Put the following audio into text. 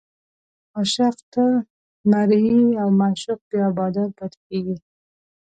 عاشق تل مریی او معشوق بیا بادار پاتې کېږي.